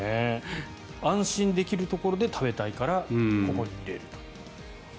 安心できるところで食べたいから、ここに入れると。